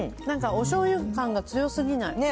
なんかおしょうゆ感が強すぎない。